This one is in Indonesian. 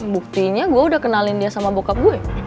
buktinya gue udah kenalin dia sama bockup gue